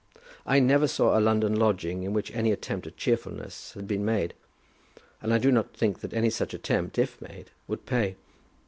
I never saw a London lodging in which any attempt at cheerfulness had been made, and I do not think that any such attempt, if made, would pay.